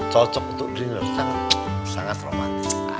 cocok untuk driller sangat romantis